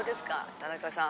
田中さん。